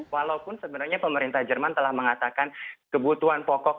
walaupun sebenarnya pemerintah jerman telah mengatakan kebutuhan pokok